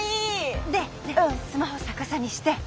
でスマホ逆さにして。